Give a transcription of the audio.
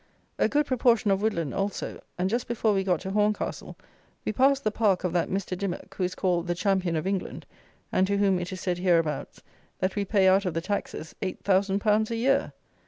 A good proportion of woodland also; and just before we got to Horncastle, we passed the park of that Mr. Dymock who is called "the Champion of England," and to whom, it is said hereabouts, that we pay out of the taxes eight thousand pounds a year!